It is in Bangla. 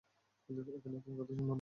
কিন্তু এখানে তোমার কথা শুনব না।